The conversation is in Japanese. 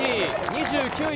２９位